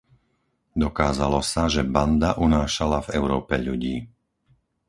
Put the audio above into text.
Dokázalo sa, že banda unášala v Európe ľudí.